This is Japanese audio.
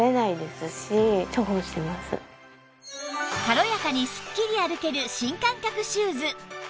軽やかにすっきり歩ける新感覚シューズ